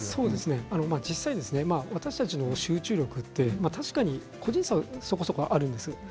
実際に私たちの集中力は個人差はそこそこあるんです。